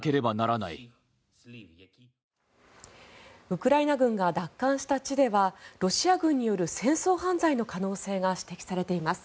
ウクライナ軍が奪還した地ではロシア軍による戦争犯罪の可能性が指摘されています。